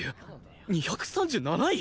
２３７位！？